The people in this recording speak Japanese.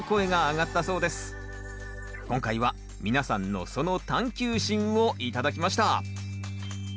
今回は皆さんのその探求心を頂きました。